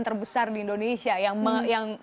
terbesar di indonesia yang